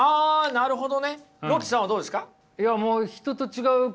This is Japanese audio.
なるほど。